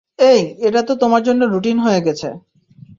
এই, এটা তো তোমার জন্য রুটিন হয়ে গেছে।